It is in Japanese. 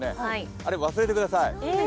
あれ忘れてください。